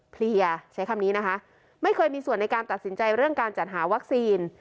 เพลียใช้คำนี้นะคะไม่เคยมีส่วนในการตัดสินใจเรื่องการจัดหาวัคซีน